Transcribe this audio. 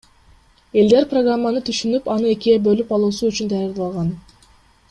Элдер программаны түшүнүп, аны экиге бөлүп алуусу үчүн даярдалган.